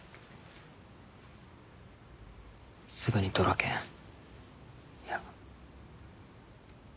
すぐにドラケンいや。